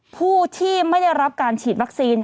ผู้ที่ไม่ได้รับการฉีดวัคซีน